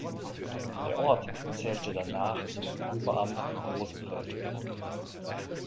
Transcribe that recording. Der Ort zählte danach zum Oberamt Rosenfeld.